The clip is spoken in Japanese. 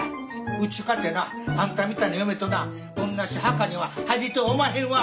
うちかてなあんたみたいな嫁となおんなじ墓には入りとうおまへんわ。